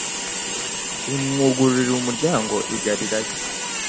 rimwugururira umuryango i Galilaya.